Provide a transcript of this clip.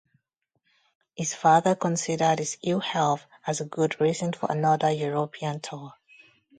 His father considered his ill-health as a good reason for another European tour.